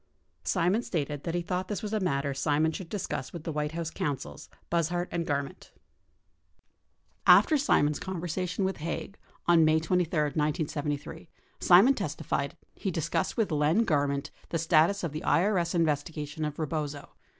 Simon stated that he thought this was a matter Simon should discuss with the White House counsels, Buzhardt and Garment. 50 After Simon's conversation with Haig on May 23, 1973, Simon testi fied he discussed with Len Garment the status of the IES investigation of Eebozo.